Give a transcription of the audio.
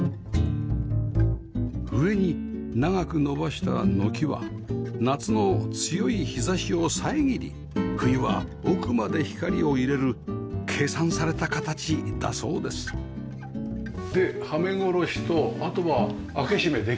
上に長く伸ばした軒は夏の強い日差しを遮り冬は奥まで光を入れる計算された形だそうですではめ殺しとあとは開け閉めできる所とね？